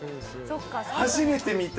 初めて見た。